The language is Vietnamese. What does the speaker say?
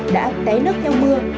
đã té nước theo mưa